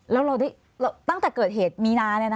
แล้วตั้งแต่เกิดเหตุมีนา